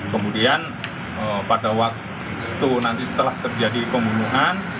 kemudian pada waktu itu nanti setelah terjadi pembunuhan